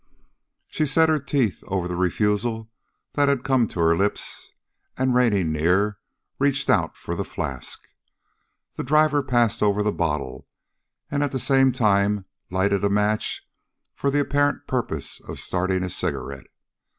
She set her teeth over the refusal that had come to her lips and, reining near, reached out for the flask. The driver passed over the bottle and at the same time lighted a match for the apparent purpose of starting his cigarette.